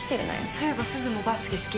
そういえばすずもバスケ好きだよね？